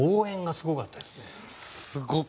すごかったですね。